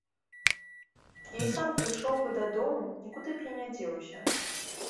Я і сам прыйшоў бы дадому, нікуды б я не дзеўся.